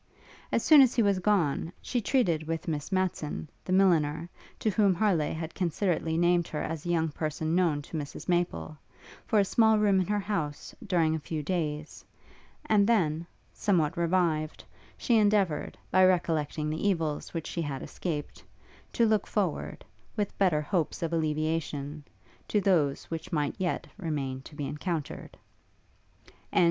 As soon as he was gone, she treated with Miss Matson, the milliner, to whom Harleigh had considerately named her as a young person known to Mrs Maple, for a small room in her house during a few days; and then, somewhat revived, she endeavoured, by recollecting the evils which she had escaped, to look forward, with better hopes of alleviation, to those which might yet remain to be encountered.